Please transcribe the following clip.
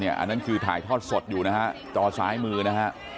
อันนั้นคือถ่ายทอดสดอยู่นะฮะจอซ้ายมือนะฮะ